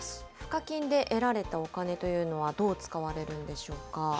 賦課金で得られたお金というのは、どう使われるんでしょうか。